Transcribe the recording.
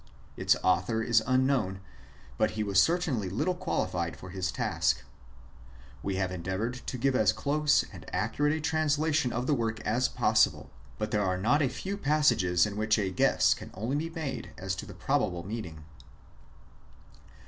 Its author is unknown, but he was certainly little qualified for his task. We have endeavoured to sive as close and accurate a translation of the work as possible, but there are not a few passages in which a guess can only be made as to the probable meaning.